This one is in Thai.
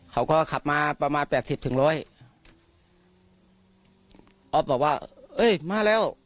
เขาก็ขับมาประมาณ๘๐๑๐๐ออฟบอกว่าเอ้ยมาแล้ว